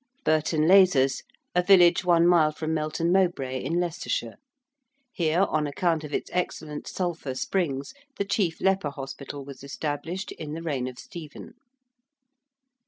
~Burton Lazars~: a village one mile from Melton Mowbray, in Leicestershire. Here, on account of its excellent sulphur springs, the chief leper hospital was established in the reign of Stephen.